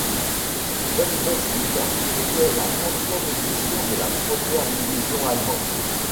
Bundesliga était la trentième édition de la première division allemande.